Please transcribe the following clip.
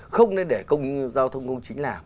không nên để giao thông công chính làm